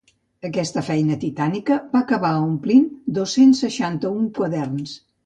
Aquesta tasca titànica va acabar omplint dos-cents seixanta-un quaderns.